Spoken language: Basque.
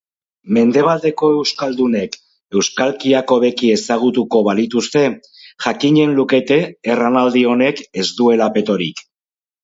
Mendebaldeko euskaldunek euskalkiak hobeki ezagutuko balituzte, jakinen lukete erranaldi honek ez duela petorik.